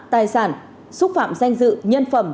tài sản xúc phạm danh dự nhân phẩm